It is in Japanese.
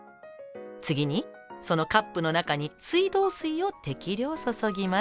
次にそのカップの中に水道水を適量注ぎます。